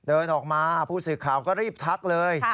เดินออกมาผู้สื่อข่าวก็รีบทักเลย